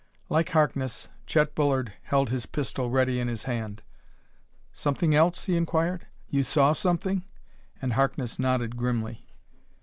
Like Harkness, Chet Bullard held his pistol ready in his hand. "Something else?" he inquired. "You saw something?" And Harkness nodded grimly.